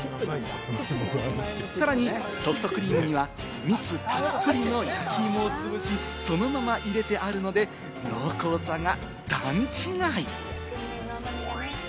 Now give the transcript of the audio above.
さらにソフトクリームには蜜たっぷりの焼き芋をつぶし、そのまま入れてあるので、濃厚さが段違い！